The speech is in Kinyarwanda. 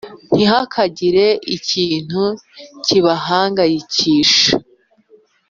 ntihakagire ikintu kibahangayikisha